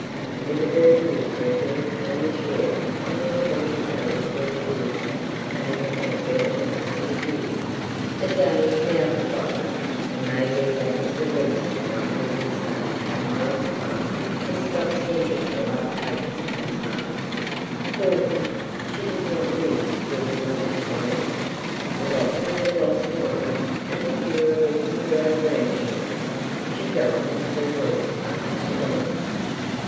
The bit of burned wood regularly came ashore on the appointed day for as good, ay, and better than a hundred years. The day is now forgotten, and may be that is the reason why people say how Maurice Connor has stopped sending the luck token to his mother. Poor woman, she did not live to get as much as one of them; for what through the loss of Maurice, and the fear of eating her own grandchildren, she died in three weeks after the dance.